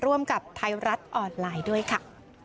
ร่วมกับไทยรัฐออนไลน์ด้วยค่ะ